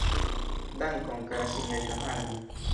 Dankon, kara sinjorino Harding.